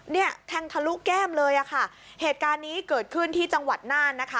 เนี่ยแทงทะลุแก้มเลยอ่ะค่ะเหตุการณ์นี้เกิดขึ้นที่จังหวัดน่านนะคะ